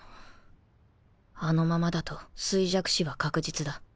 あのままだと衰弱死は確実だ